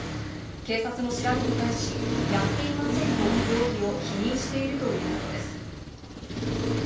警察の調べに対し、やっていませんと容疑を否認しているということです。